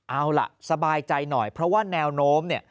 เอาล่ะสบายใจหน่อยเพราะว่าแนวโน้มเนี่ย